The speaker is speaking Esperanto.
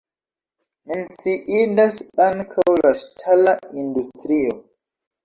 Menciindas ankaŭ la ŝtala industrio.